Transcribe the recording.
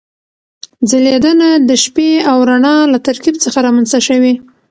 ځلېدنه د شپې او رڼا له ترکیب څخه رامنځته شوې.